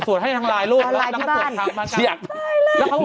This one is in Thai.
อะไรอย่างนี้